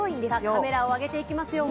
カメラを上げていきますよ